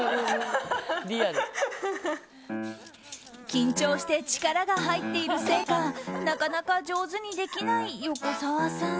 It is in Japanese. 緊張して力が入っているせいかなかなか上手にできない横澤さん。